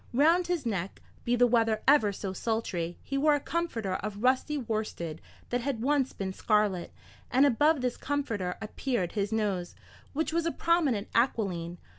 Round his neck, be the weather ever so sultry, he wore a comforter of rusty worsted that had once been scarlet, and above this comforter appeared his nose, which was a prominent aquiline.